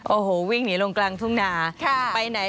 โอโหวิ่งหนีลงกลางทุ่งนา